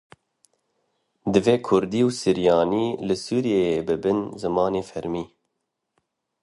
Divê kurdî û siryanî li Sûriyeyê bibin zimanê fermî.